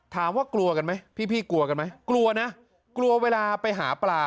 ถามว่ากลวกันไหมพี่พี่กลวกันไหมกลัวนะกลัวเวลาไปหาปลา